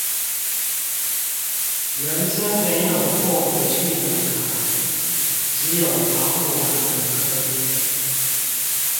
人生沒有過不去的坎，只有爬不完的坑